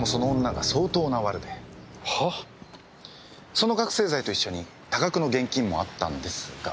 その覚せい剤と一緒に多額の現金もあったんですが。